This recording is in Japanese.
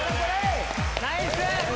ナイス！